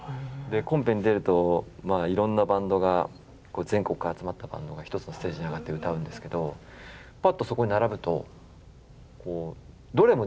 コンペに出るといろんなバンドが全国から集まったバンドが一つのステージに上がって歌うんですけどぱっとそこに並ぶとどれも同じというか